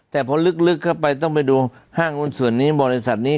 แต่พอลึกเข้าไปต้องไปดูห้างหุ้นส่วนนี้บริษัทนี้